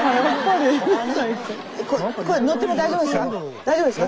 これ乗っても大丈夫ですか？